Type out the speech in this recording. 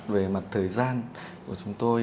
về mặt thời gian của chúng tôi